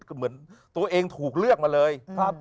ก็เหมือนตัวเองถูกเลือกมาเลย